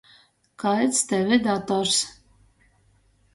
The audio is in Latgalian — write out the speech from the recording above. Kaids tev ir dators?